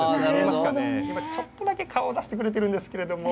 ちょっとだけ今顔出してくれているんですけれど。